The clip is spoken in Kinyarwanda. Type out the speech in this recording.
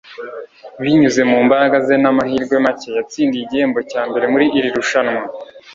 binyuze mu mbaraga ze n'amahirwe make, yatsindiye igihembo cya mbere muri iri rushanwa